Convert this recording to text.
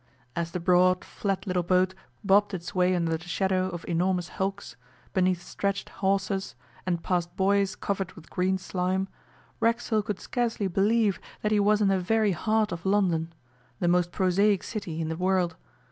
As the broad flat little boat bobbed its way under the shadow of enormous hulks, beneath stretched hawsers, and past buoys covered with green slime, Racksole could scarcely believe that he was in the very heart of London the most prosaic city in the world.